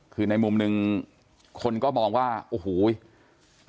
คือในมุมหนึ่งคนก็มองว่าโอ้โห